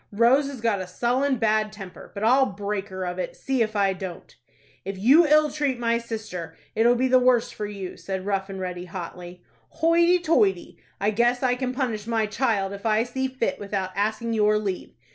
Rose has got a sullen, bad temper; but I'll break her of it, see if I don't." "If you ill treat my sister, it'll be the worse for you," said Rough and Ready, hotly. "Hoity toity, I guess I can punish my child, if I see fit, without asking your leave."